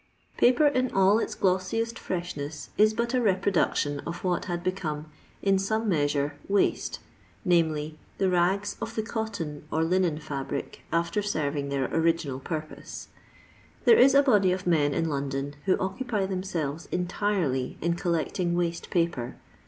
Paper in all its glossiest freshness is but a reproduction of what had become in some measure " waste," viz. the rags of the cotton or linen fabric after serving their original purpose. There is a body of men in London who occupy themselves entirely in col lecting waste paper.